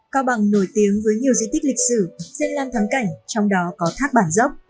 cao bằng nổi tiếng với nhiều di tích lịch sử dân lan thắng cảnh trong đó có tháp bản dốc